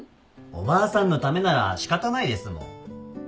おばあさんのためなら仕方ないですもん。